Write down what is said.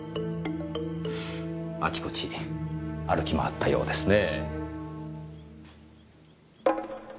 あちこち歩き回ったようですねぇ。